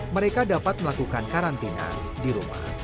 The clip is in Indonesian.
mereka dapat melakukan karantina di rumah